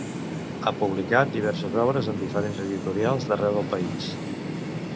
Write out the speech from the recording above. Ha publicat diverses obres en diferents editorials d'arreu del país.